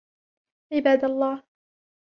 عِبَادَ اللَّهِ